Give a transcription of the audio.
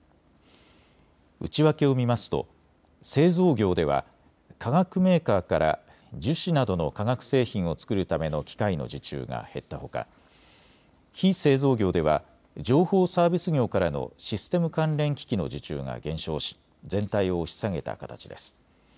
内訳を見ますと製造業では化学メーカーから樹脂などの化学製品を作るための機械の受注が減ったほか、非製造業では情報サービス業からのシステム関連機器の受注が減少し全体を押し下げた形です。